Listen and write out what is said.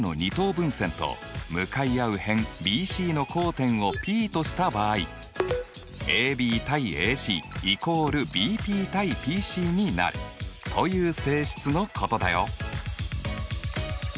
分線と向かい合う辺ＢＣの交点をＰとした場合ＡＢ：ＡＣ＝ＢＰ：ＰＣになるという性質のことだよ。